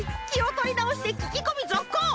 気を取り直して聞き込み続行。